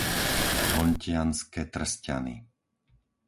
Hontianske Trsťany